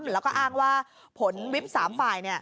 แล้วก็อ้างว่าผลวิบ๓ฝ่าย